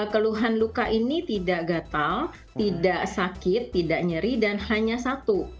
keluhan luka ini tidak gatal tidak sakit tidak nyeri dan hanya satu